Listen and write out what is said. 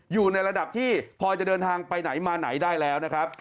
อยู่ในระดับที่พอจะเดินทางไปไหนมาไหนได้แล้วนะครับ